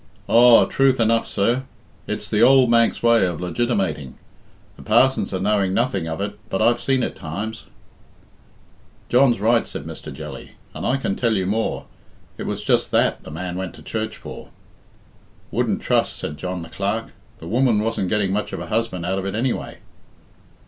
"Aw, truth enough, sir! It's the ould Manx way of legitimating. The parsons are knowing nothing of it, but I've seen it times." "John's right," said Mr. Jelly; "and I can tell you more it was just that the man went to church for." "Wouldn't trust," said John the Clerk. "The woman wasn't getting much of a husband out of it anyway."